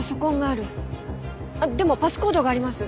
あっでもパスコードがあります。